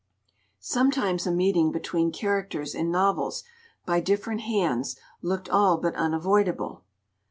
Sometimes a meeting between characters in novels by different hands looked all but unavoidable.